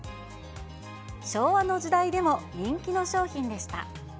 昭和の時代でも人気の商品でした。